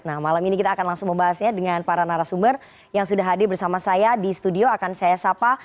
nah malam ini kita akan langsung membahasnya dengan para narasumber yang sudah hadir bersama saya di studio akan saya sapa